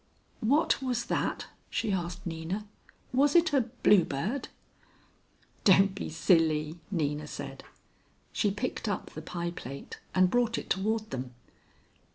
"What was that?" she asked Nina. "Was it a bluebird?" "Don't be silly," Nina said. She picked up the pie plate and brought it toward them.